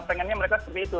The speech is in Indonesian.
pengennya mereka seperti itu